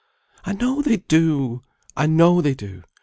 "I know they do! I know they do!